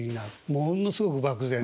ものすごく漠然。